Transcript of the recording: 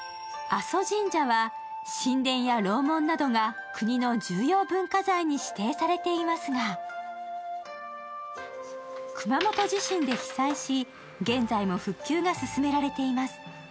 阿蘇神社は神殿や楼門などが国の重要文化財に指定されていますが熊本地震で被災し、現在も復旧が進められています。